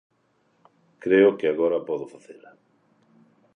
Creo que agora podo facela.